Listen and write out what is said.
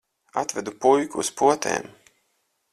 Atvedu puiku uz potēm.